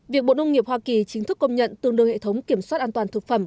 việc bộ nông nghiệp hoa kỳ chính thức công nhận tương đương hệ thống kiểm soát an toàn thực phẩm